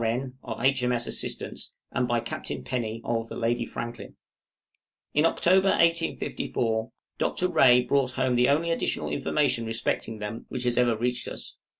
N., of H.M.S. 'Assistance,' and by Captain Penny, of the 'Lady Franklin.' {FORMER EXPEDITIONS.} In October, 1854, Dr. Rae brought home the only additional information respecting them which has ever reached us.